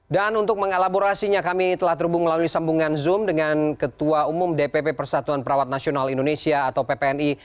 dan untuk mengelaborasinya kami telah terhubung melalui sambungan zoom dengan ketua umum dpp persatuan perawat nasional indonesia atau ppni